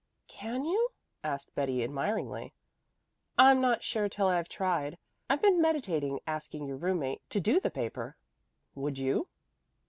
"Can you?" asked Betty admiringly. "I'm not sure till I've tried. I've been meditating asking your roommate to do the paper. Would you?"